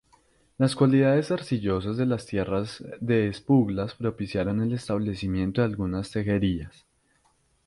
Las cualidades arcillosas de las tierras de Esplugas propiciaron el establecimiento de algunas tejerías.